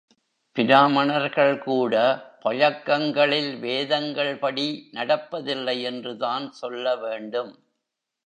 பிராமணர்கள் கூட பழக்கங்களில் வேதங்கள்படி நடப்பதில்லை என்று தான் சொல்ல வேண்டும்.